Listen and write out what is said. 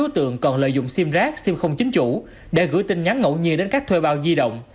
tìm rác xêm không chính chủ để gửi tin nhắn ngậu nhiên đến các thuê bao di động